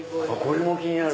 これも気になる。